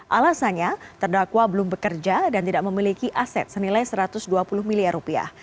alasannya terdakwa belum bekerja dan tidak memiliki aset senilai satu ratus dua puluh miliar rupiah